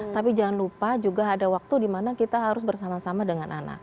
tapi jangan lupa juga ada waktu dimana kita harus bersama sama dengan anak